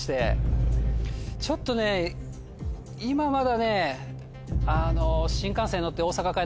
ちょっとね今まだね。